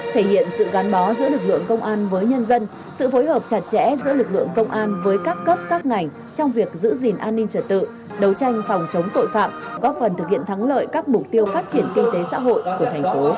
thể hiện sự gắn bó giữa lực lượng công an với nhân dân sự phối hợp chặt chẽ giữa lực lượng công an với các cấp các ngành trong việc giữ gìn an ninh trật tự đấu tranh phòng chống tội phạm góp phần thực hiện thắng lợi các mục tiêu phát triển kinh tế xã hội của thành phố